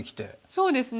そうですね